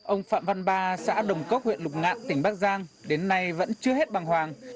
ông phạm văn ba xã đồng cốc huyện lục ngạn tỉnh bắc giang đến nay vẫn chưa hết bằng hoàng